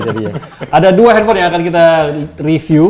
ada dua handphone yang akan kita review